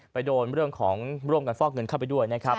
โดนเรื่องของร่วมกันฟอกเงินเข้าไปด้วยนะครับ